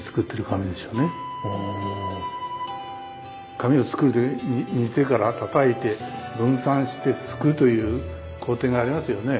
紙を作るときに煮てからたたいて分散してすくうという工程がありますよね。